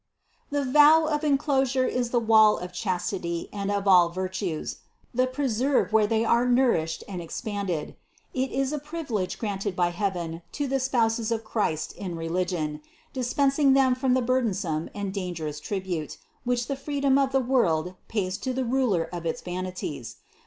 The vow of enclosure is the wall of chastity and of all virtues, the preserve where they are nourished and ex panded : it is a privilege granted by heaven to the spouses of Christ in religion, dispensing them from the burden some and dangerous tribute, which the freedom of the THE CONCEPTION 359 world pays to the ruler of its vanities.